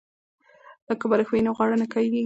که بالښت وي نو غاړه نه کږیږي.